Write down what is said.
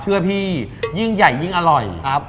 พี่ยิ่งใหญ่ยิ่งอร่อยครับ